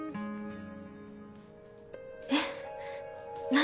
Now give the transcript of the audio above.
えっ何？